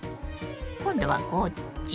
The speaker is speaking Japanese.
今度はこっち？